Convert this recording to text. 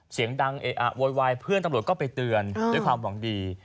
เสียงดังเอะอะโวยวายเพื่อนตำรวจก็ไปเตือนด้วยความหวังดี